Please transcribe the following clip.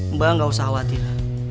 mbak gak usah khawatir